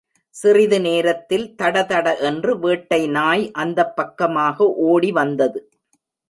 சிறிது நேரத்தில், தடதட என்று வேட்டை நாய் அந்தப் பக்கமாக ஒடி வந்தது.